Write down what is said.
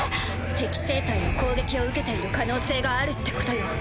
敵性体の攻撃を受けている可能性があるってことよ。